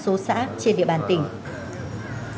công an xã an thạnh trung huyện trợ mới